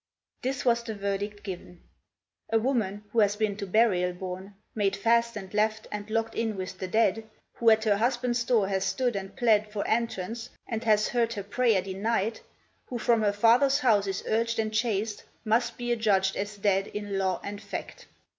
This was the verdict given: "A woman who has been to burial borne, Made fast and left and locked in with the dead; Who at her husband's door has stood and plead For entrance, and has heard her prayer denied; Who from her father's house is urged and chased, Must be adjudged as dead in law and fact.